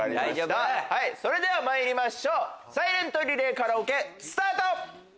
それではまいりましょうサイレントリレーカラオケスタート！